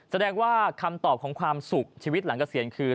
แสดงว่าคำตอบของความสุขชีวิตหลังเกษียณคือ